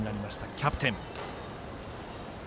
キャプテン。